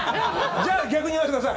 じゃあ逆に言わせてください。